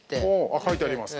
◆書いてありますか？